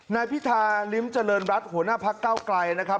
นายพิธาริมเจริญรัฐหัวหน้าพักเก้าไกลนะครับ